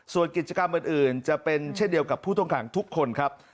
ส่วนกิจกรรมอื่นจะเป็นเช่นเดียวกับผู้ต้องขังทุกคนครับ